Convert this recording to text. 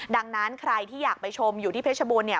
ดังนั้นใครที่อยากไปชมอยู่ที่เพชรบูรณเนี่ย